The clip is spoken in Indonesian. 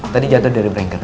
tadi jatuh dari brengker